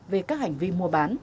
về các hành vi mua bán